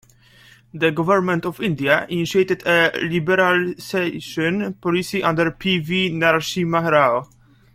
The government of India initiated a liberalisation policy under P. V. Narasimha Rao.